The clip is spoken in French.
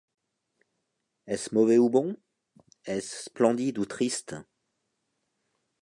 Est-ce mauvais ou bon ? est-ce splendide ou triste ?